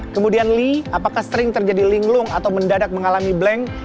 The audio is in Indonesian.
kemudian lee apakah sering terjadi linglung atau mendadak mengalami blank